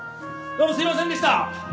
どうもすいませんでした！